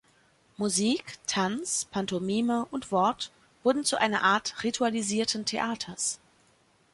Musik, Tanz, Pantomime und Wort wurden zu einer Art „ritualisierten Theaters“.